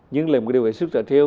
nhưng là một điều phải sức trở thiếu